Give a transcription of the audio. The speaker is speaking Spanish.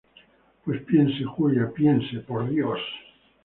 pues piense, Julia, piense, por Dios.